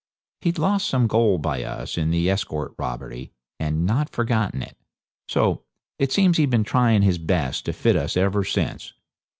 He'd lost some gold by us in the escort robbery, and not forgotten it; so it seems he'd been trying his best to fit us ever since.